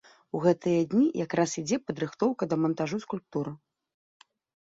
У гэтыя дні якраз ідзе падрыхтоўка да мантажу скульптуры.